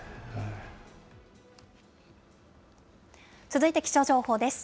続いて気象情報です。